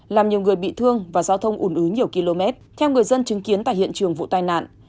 làm nhiều người bị thương và giao thông ủn ứ nhiều km theo người dân chứng kiến tại hiện trường vụ tai nạn